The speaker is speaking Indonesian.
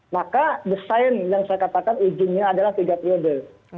maka desain yang saya katakan ujungnya adalah tiga periode